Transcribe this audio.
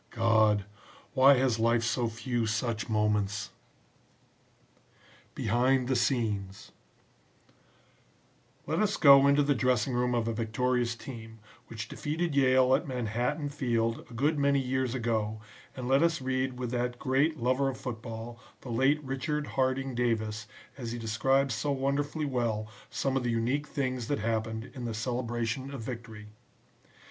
God! why has life so few such moments!" BEHIND THE SCENES Let us go into the dressing room of a victorious team, which defeated Yale at Manhattan Field a good many years ago and let us read with that great lover of football, the late Richard Harding Davis, as he describes so wonderfully well some of the unique things that happened in the celebration of victory.